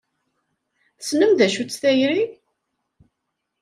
Tessnem d acu-tt tayri?